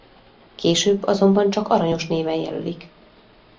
Később azonban csak Aranyos néven jelölik.